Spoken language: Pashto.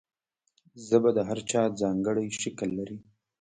ژبه د هر چا ځانګړی شکل لري.